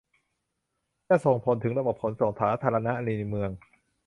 จะส่งผลถึงระบบขนส่งสาธารณะในเมือง